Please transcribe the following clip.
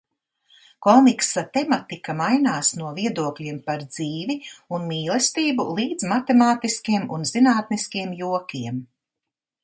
Komiksa tematika mainās no viedokļiem par dzīvi un mīlestību līdz matemātiskiem un zinātniskiem jokiem.